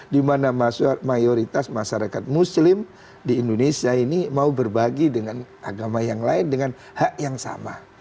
dimana mayoritas masyarakat muslim di indonesia ini mau berbagi dengan agama yang lain dengan hak yang sama